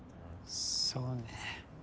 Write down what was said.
そうね。